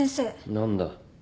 何だ。